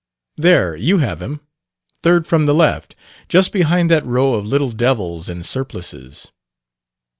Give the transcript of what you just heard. There you have him, third from the left, just behind that row of little devils in surplices."